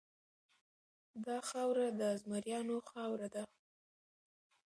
دا خاوره د زمریانو خاوره ده.